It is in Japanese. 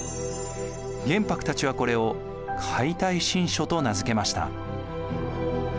玄白たちはこれを「解体新書」と名付けました。